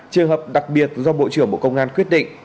trường hợp đặc biệt do bộ trưởng bộ công an quyết định